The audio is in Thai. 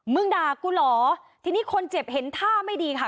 ด่ากูเหรอทีนี้คนเจ็บเห็นท่าไม่ดีค่ะ